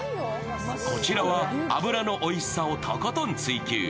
こちらは脂のおいしさをとことん追求。